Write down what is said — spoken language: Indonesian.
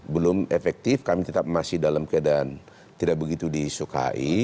belum efektif kami tetap masih dalam keadaan tidak begitu disukai